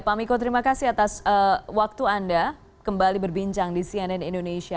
pak miko terima kasih atas waktu anda kembali berbincang di cnn indonesia